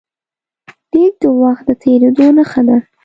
لیک د وخت د تېرېدو نښه ده.